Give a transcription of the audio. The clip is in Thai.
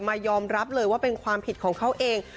ยอมรับเลยว่าเป็นความผิดของเขาเอง